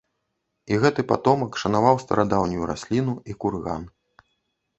І гэты патомак шанаваў старадаўнюю расліну і курган.